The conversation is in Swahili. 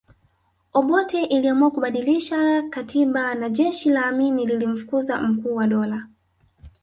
Obote iliamua kubadilisha katiba na jeshi la Amini lilimfukuza Mkuu wa Dola